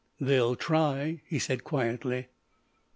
"They'll try," he said quietly.